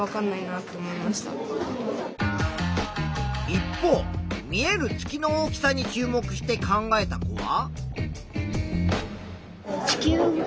一方見える月の大きさに注目して考えた子は。